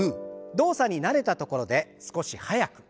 動作に慣れたところで少し速く。